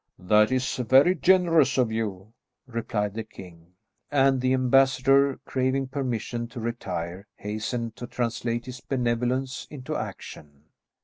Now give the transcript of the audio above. "That is very generous of you," replied the king. And the ambassador, craving permission to retire, hastened to translate his benevolence into action.